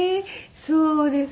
そうですね。